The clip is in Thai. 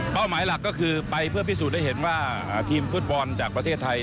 หมายหลักก็คือไปเพื่อพิสูจน์ได้เห็นว่าทีมฟุตบอลจากประเทศไทย